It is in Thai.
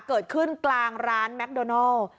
เกิดขึ้นกลางร้านแมคโดนัล